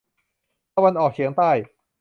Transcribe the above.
ตะวันออกเฉียงใต้